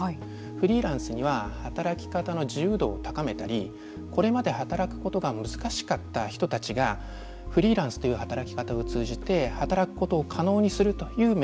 フリーランスには働き方の自由度を高めたりこれまで働くことが難しかった人たちがフリーランスという働き方を通じて働くことを可能にするというメリットもあります。